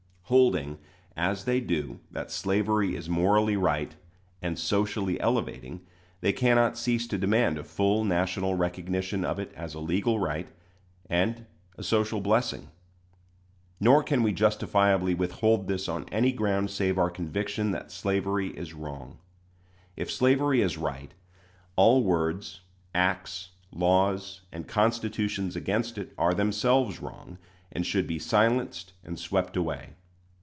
Holding, as they do, that slavery is morally right and socially elevating, they cannot cease to demand a full national recognition of it as a legal right and a social blessing. Nor can we justifiably withhold this on any ground save our conviction that slavery is wrong. If slavery is right, all words, acts, laws, and constitutions against it are themselves wrong, and should be silenced and swept away.